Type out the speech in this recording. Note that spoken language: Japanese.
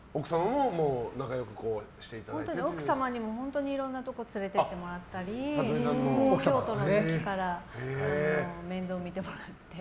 奥様にも本当にいろんなところに連れて行っていただいたり京都の時から面倒を見てもらって。